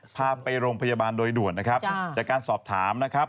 พาไปโรงพยาบาลโดยด่วนนะครับจากการสอบถามนะครับ